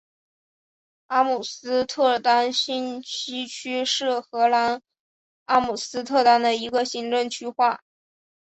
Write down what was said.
阿姆斯特丹新西区是荷兰阿姆斯特丹的一个行政区划。